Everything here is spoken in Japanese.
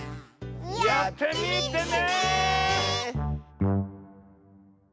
やってみてね！